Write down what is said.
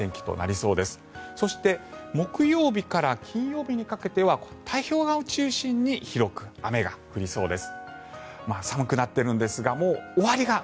そして木曜日から金曜日にかけては太平洋側を中心に広く雨が降りそうです。